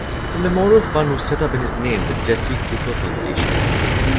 A memorial fund was set up in his name, the Jesse Cooper Foundation.